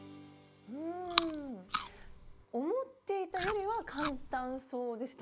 うん思っていたよりは簡単そうでした！